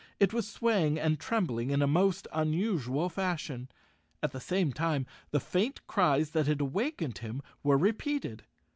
It was swaying and trembling in a most unusual fashion. At the same time the faint 157 The Cowardly Lion of Oz _ cries that had awakened him were repeated.